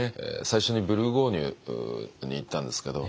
最初にブルゴーニュに行ったんですけど。